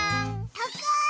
たかい！